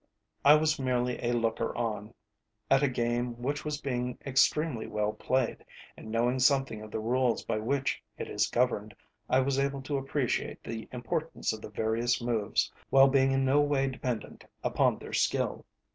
I was merely a looker on at a game which was being extremely well played, and, knowing something of the rules by which it is governed, I was able to appreciate the importance of the various moves, while being in no way dependent upon their skill.